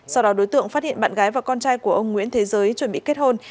sau đó đối tượng phát hiện bạn gái và con trai của ông nguyễn thế giới chuẩn bị kết hôn